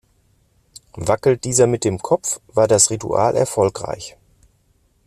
Wackelt dieser mit dem Kopf, war das Ritual erfolgreich.